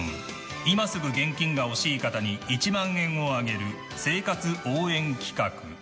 今すぐ現金が欲しい方に１万円をあげる生活応援企画。